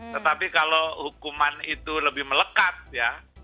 tetapi kalau hukuman itu lebih melekat ya